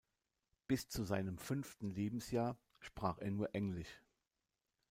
Bis zu seinem fünften Lebensjahr sprach er nur englisch.